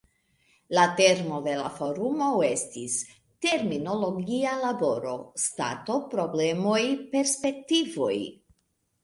La temo de la forumo estis "Terminologia laboro: Stato, problemoj, perspektivoj".